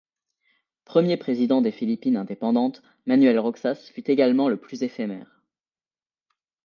Premier président des Philippines indépendantes, Manuel Roxas fut également le plus éphémère.